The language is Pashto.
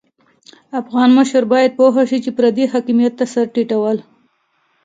افغان مشر بايد پوه شي چې پردي حاکميت ته سر ټيټول.